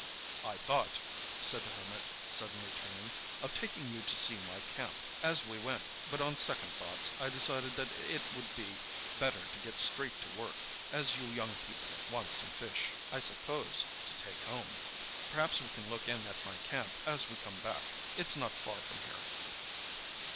"I thought," said the Hermit, suddenly turning, "of taking you to see my camp as we went, but on second thoughts I decided that it would be better to get straight to work, as you young people want some fish, I suppose, to take home. Perhaps we can look in at my camp as we come back. It's not far from here."